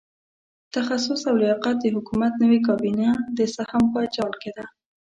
د تخصص او لیاقت د حکومت نوې کابینه د سهم په جال کې ده.